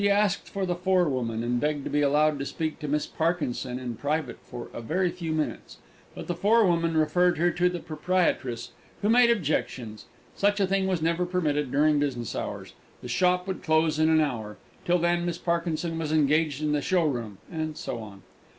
She asked for the forewoman, and begged to be allowed to speak to Miss Parkinson in private for a very few minutes; but the forewoman referred her to the proprietress, who made objections: such a thing was never permitted during business hours, the shop would close in an hour, till then Miss Parkinson was engaged in the showroom, and so on.